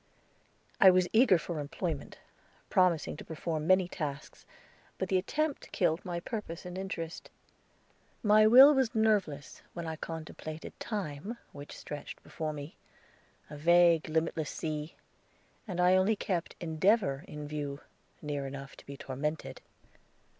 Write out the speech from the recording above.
I was eager for employment, promising to perform many tasks, but the attempt killed my purpose and interest. My will was nerveless, when I contemplated Time, which stretched before me a vague, limitless sea; and I only kept Endeavor in view, near enough to be tormented.